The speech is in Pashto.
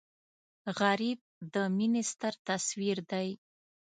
غریب د مینې ستر تصویر دی